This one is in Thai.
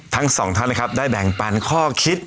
ทั้งสองท่านนะครับได้แบ่งปันข้อคิด